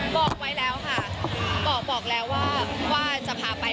บอกไว้แล้วค่ะบอกแล้วว่าจะพาไป